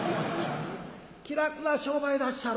気楽な商売だっしゃろ？